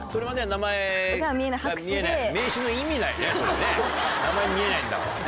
名前見えないんだもんね。